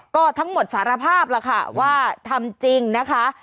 ก็ทั้งหมดสารภาพแล้วค่ะว่าทำจริงนะคะ